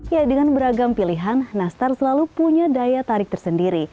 ya dengan beragam pilihan nastar selalu punya daya tarik tersendiri